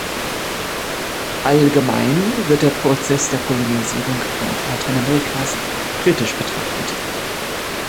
Allgemein wird der Prozess der Kolonialisierung Latein Amerikas kritisch betrachtet.